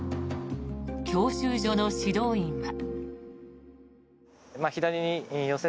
教習所の指導員は。